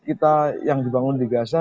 kita yang dibangun di gaza